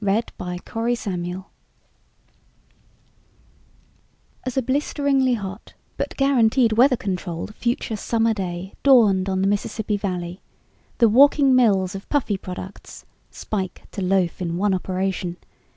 _ Illustrated by WOOD As a blisteringly hot but guaranteed weather controlled future summer day dawned on the Mississippi Valley, the walking mills of Puffy Products ("Spike to Loaf in One Operation!")